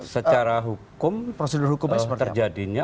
secara hukum terjadinya